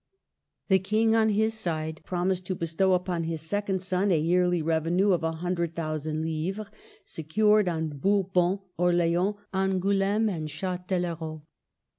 The King, on his side, promised to bestow upon his second son a yearly revenue of a hundred thousand livres, secured on Bourbon, Orleans, Angouleme, and Chatellerault.